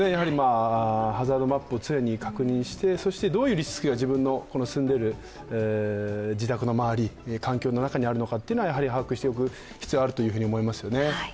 ハザードマップを常に確認して、どういうリスクが自分のこの住んでいる自宅の周り、環境にあるのかというのを把握しておく必要があると思いますよね。